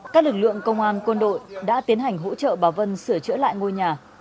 các lực lượng công an quân đội đã tiến hành hỗ trợ bà vân sửa chữa lại ngôi nhà